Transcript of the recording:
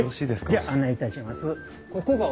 はいじゃあ案内いたします。